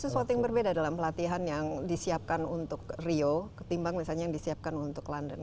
sesuatu yang berbeda dalam pelatihan yang disiapkan untuk rio ketimbang misalnya yang disiapkan untuk london